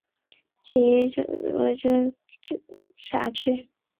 其治所湘县即大致为今长沙市辖区。